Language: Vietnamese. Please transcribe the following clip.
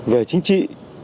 về chính trị